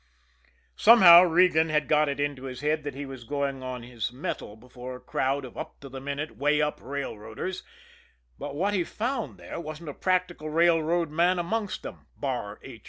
Somehow, Regan had got it into his head that he was going on his mettle before a crowd of up to the minute, way up railroaders; but when he found there wasn't a practical railroad man amongst them, bar H.